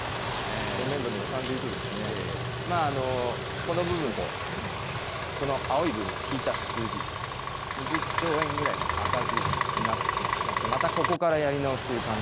今年度の予算でいうと、この部分の、この青い部分を引いた数字、２０兆円ぐらいの赤字になってしまっていまして、またここからやり直しという感じ。